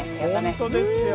本当ですよ。